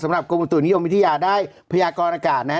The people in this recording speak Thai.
สำหรับกรุงประตูนิยมวิทยาได้พยากรณกาศนะครับ